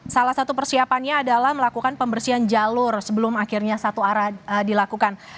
salah satu persiapannya adalah melakukan pembersihan jalur sebelum akhirnya satu arah dilakukan